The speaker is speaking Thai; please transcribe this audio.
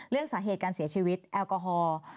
เรื่องสาเหตุการเสียชีวิตแอลกอฮอล์